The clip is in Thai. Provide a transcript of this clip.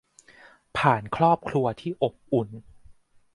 ผ่านครอบครัวที่อบอุ่น